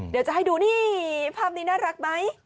เดี๋ยวจะให้ดูนี่ภาพนี้น่ารักไหม